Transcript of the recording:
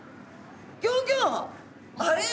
あれ？